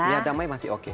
ya damai masih oke